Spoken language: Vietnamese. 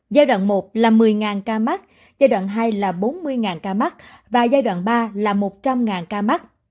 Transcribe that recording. giai đoạn một là một mươi ca mắc giai đoạn hai là bốn mươi ca mắc và giai đoạn ba là một trăm linh ca mắc